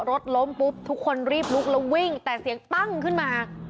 รถล้มปุ๊บทุกคนรีบลุกแล้ววิ่งแต่เสียงปั้งขึ้นมา